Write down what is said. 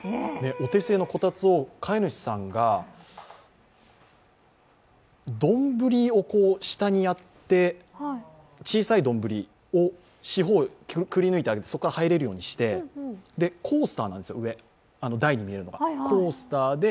お手製のこたつを飼い主さんが丼を下にやって小さい丼を四方くり抜いて、そこから入れるようにして台に見えるのがコースターなんです。